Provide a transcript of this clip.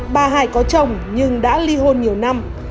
bà hải có chồng nhưng đã ly hôn nhiều năm